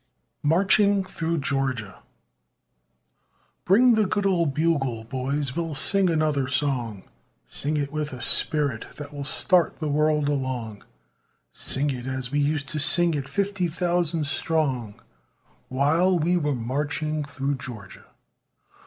MARCHING THROUGH GEORGIA Bring the good old bugle, boys, we'll sing another song Sing it with a spirit that will start the world along Sing it as we used to sing it fifty thousand strong, While we were marching through Georgia.